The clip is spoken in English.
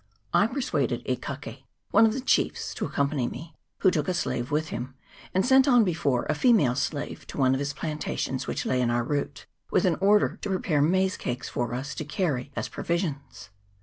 I persuaded E Kake, one of the chiefs, to accompany me, who took a slave with him, and sent on before a female slave to one of his plantations which lay in our route, with an order to prepare maize cakes for us to carry as pro visions.